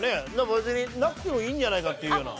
別になくてもいいんじゃないかっていうような。